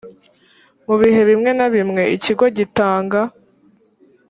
mu bihe bimwe na bimwe ikigo gitanga